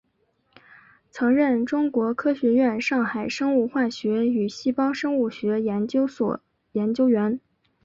曾任中国科学院上海生物化学与细胞生物学研究所研究员。